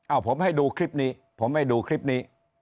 เอาผมให้ดูคลิปนี้ผมให้ดูคลิปนี้